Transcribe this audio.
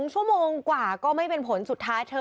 ชั่วโมงกว่าก็ไม่เป็นผลสุดท้ายเธอ